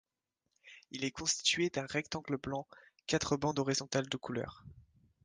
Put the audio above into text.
Il est constitué d'un rectangle blanc, quatre bandes horizontale de couleur.